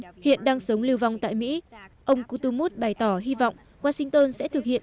nói đến hiện đang sống lưu vong tại mỹ ông kutumus bày tỏ hy vọng washington sẽ thực hiện